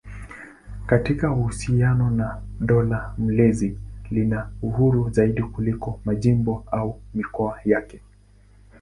Katika uhusiano na dola mlezi lina uhuru zaidi kuliko majimbo au mikoa yake.